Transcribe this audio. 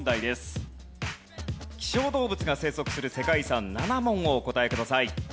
希少動物が生息する世界遺産７問をお答えください。